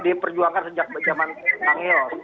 diperjuangkan sejak zaman pangyo